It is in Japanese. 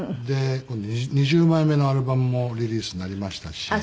で今度２０枚目のアルバムもリリースになりましたし。